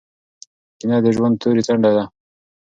کینه د ژوند توري څنډه ده.